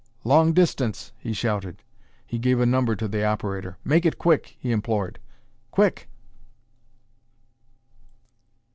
"Long distance!" he shouted. He gave a number to the operator. "Make it quick," he implored. "Quick!"